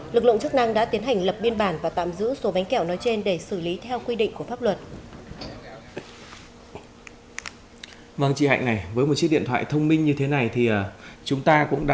lực lượng chức năng đã tiến hành lập biên bản và tạm giữ số bánh kẹo nói trên để xử lý theo quy định của pháp luật